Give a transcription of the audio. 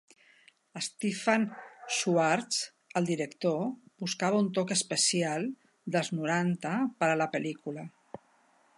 Stefan Schwartz, el director, buscava un toc especial dels noranta per a la pel·lícula.